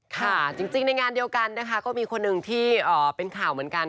ค่ะจริงในงานเดียวกันนะคะก็มีคนหนึ่งที่เป็นข่าวเหมือนกัน